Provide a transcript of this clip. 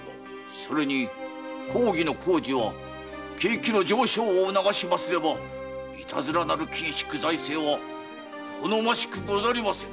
それに公儀の工事は景気の上昇を促しますればいたずらなる緊縮財政は好ましくござりませぬ。